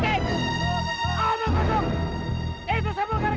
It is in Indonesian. kalian telah digunak gunak oleh cabu karang